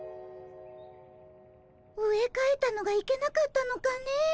植え替えたのがいけなかったのかね。